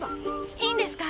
いいんですか？